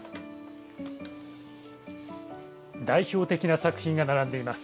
代表的な作品が並んでいます。